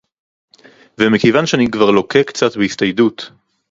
ומכיוון שאני כבר לוקה קצת בהסתיידות